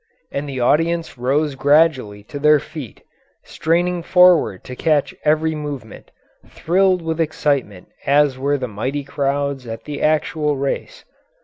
And the audience rose gradually to their feet, straining forward to catch every movement, thrilled with excitement as were the mighty crowds at the actual race.